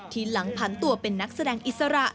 หลังผันตัวเป็นนักแสดงอิสระ